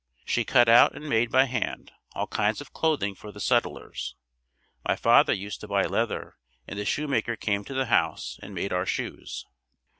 She cut out and made by hand all kinds of clothing for the settlers. My father used to buy leather and the shoemaker came to the house and made our shoes.